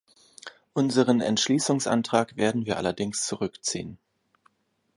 Unseren Entschließungsantrag werden wir allerdings zurückziehen.